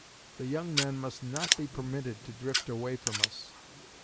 The young men must not be permitted to drift away from us.